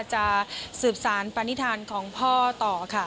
จะสืบสารปณิธานของพ่อต่อค่ะ